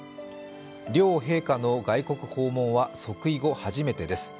両陛下の外国訪問は即位後初めてです。